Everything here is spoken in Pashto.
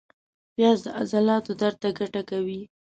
پیاز د عضلاتو درد ته ګټه کوي